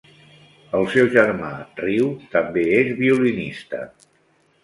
El seu germà Ryu també és violinista.